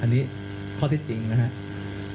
อันนี้ข้อที่จริงนะครับ